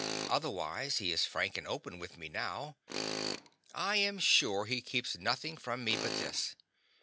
Otherwise he is frank and open with me, now. I am sure he keeps nothing from me but this.